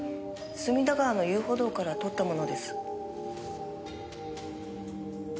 隅田川の遊歩道から撮ったものです。